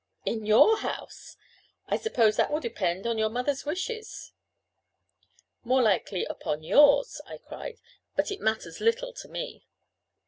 "In your house! I suppose that will depend upon your mother's wishes." "More likely upon yours," I cried; "but it matters little to me."